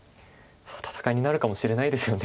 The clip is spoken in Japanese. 戦いになるかもしれないですよね。